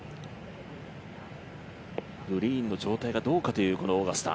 グリーンの状態がどうかというこのオーガスタ。